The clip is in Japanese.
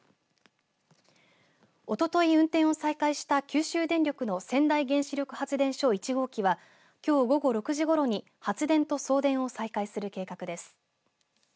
おととい運転を再開した九州電力の川内原子力発電所１号機はきょう午後６時ごろに発電と送電を再開する計画です。